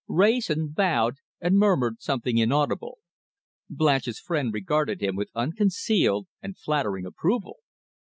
Wrayson bowed, and murmured something inaudible. Blanche's friend regarded him with unconcealed and flattering approval.